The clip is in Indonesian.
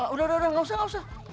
udah udah gak usah gak usah